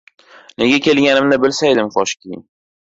Nega kelganimni bilsaydim, koshki.